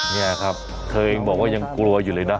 นี่ครับเธอเองบอกว่ายังกลัวอยู่เลยนะ